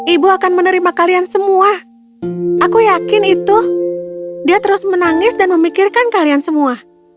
ibu akan menerima kalian semua aku yakin itu dia terus menangis dan memikirkan kalian semua